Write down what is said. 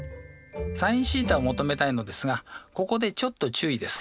ｓｉｎθを求めたいのですがここでちょっと注意です。